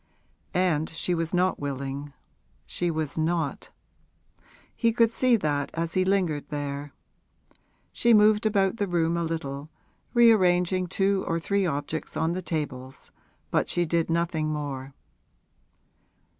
And she was not willing she was not; he could see that as he lingered there. She moved about the room a little, rearranging two or three objects on the tables, but she did nothing more.